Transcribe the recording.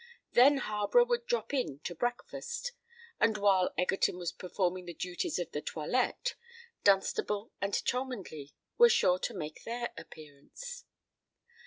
Then Harborough would drop in to breakfast; and while Egerton was performing the duties of the toilette, Dunstable and Cholmondeley were sure to make their appearance.